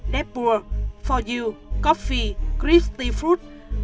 depur for you coffee christy fruit và hai mươi kg ma túy tổng hợp dạng bột chưa đóng gói